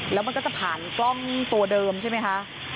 แล้วมันก็จะผ่านกล้องตัวเดิมใช่ไหมคะ